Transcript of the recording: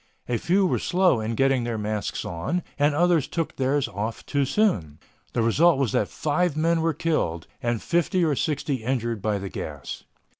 A few were slow in getting their masks on and others took theirs off too soon. The result was that five men were killed and fifty or sixty injured by the gas.